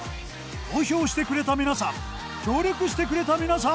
投票してくれた皆さん協力してくれた皆さん